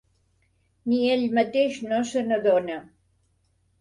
Ni ell mateix no se n'adona.